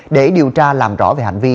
để điều tra làm rõ về hành vi